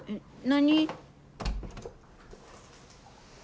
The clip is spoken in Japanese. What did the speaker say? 何。